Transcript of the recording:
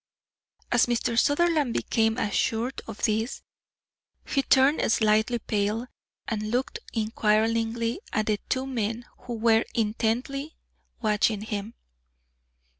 As Mr. Sutherland became assured of this, he turned slightly pale and looked inquiringly at the two men who were intently watching him.